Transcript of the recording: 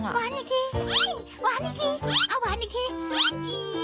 หวานอีกทีเอาหวานอีกที